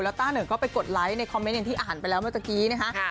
แล้วต้านเหิงก็ไปกดไลค์ในคอมเมนต์ที่อ่านไปแล้วเมื่อตะกี้